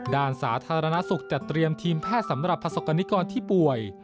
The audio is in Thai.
สาธารณสุขจัดเตรียมทีมแพทย์สำหรับประสบกรณิกรที่ป่วย